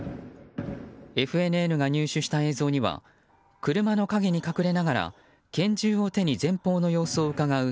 ＦＮＮが入手した映像には車の陰に隠れながら拳銃を手に前方の様子をうかがう